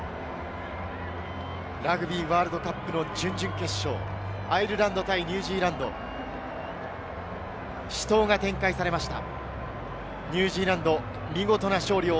ラグビーワールドカップの準々決勝、アイルランド対ニュージーランド、死闘が展開されました。